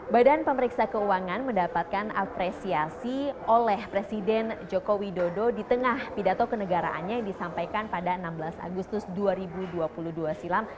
badan pemeriksa keuangan mendapatkan apresiasi oleh presiden joko widodo di tengah pidato kenegaraannya yang disampaikan pada enam belas agustus dua ribu dua puluh dua silam